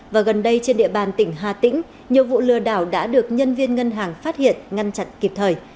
và gần đây trên địa bàn tỉnh hà tĩnh nhiều vụ lừa đảo đã được nhân viên ngân hàng phát hiện ngăn chặn kịp thời